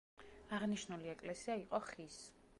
აღნიშნული ეკლესია იყო ხის.